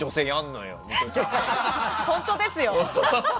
本当ですよ！